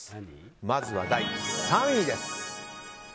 まずは第３位です。